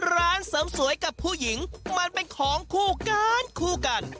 ร้านเสริมสวยกับผู้หญิงมันเป็นของคู่กันคู่กัน